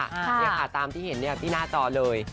นี่ค่ะตามที่เห็นที่หน้าจอเลย